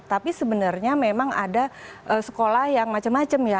tapi sebenarnya memang ada sekolah yang macam macam ya